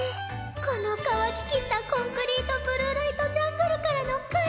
この乾ききったコンクリートブルーライトジャングルからの解放。